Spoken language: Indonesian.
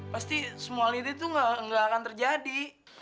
pasti semua hal itu tuh gak akan terjadi